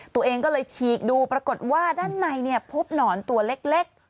ตัวเองก็เลยฉีกดูปรากฏว่าด้านในพบหนอนตัวเล็ก